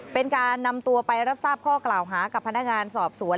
เป็นการนำตัวไปรับทราบข้อกล่าวหากับพนักงานสอบสวน